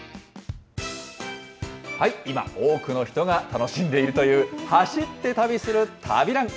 今、多くの人が楽しんでいるという、走って旅する旅ラン。